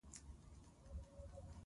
دښمن ته هر وخت باید خبردار اوسې